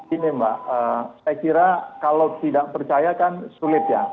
ini mbak saya kira kalau tidak percaya kan sulit ya